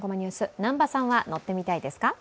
南波さんは乗ってみたいですか？